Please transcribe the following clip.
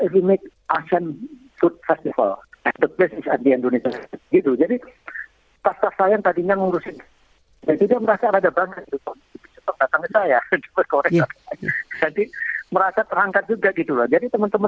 eh sampai ini bukan agar pembantu